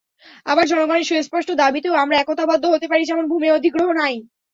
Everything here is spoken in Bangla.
আবার জনগণের সুস্পষ্ট দাবিতেও আমরা একতাবদ্ধ হতে পারি, যেমন ভূমি অধিগ্রহণ আইন।